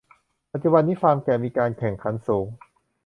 ปัจจุบันนี้ฟาร์มแกะมีการแข่งขันสูง